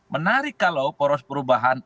menarik kalau poros perubahan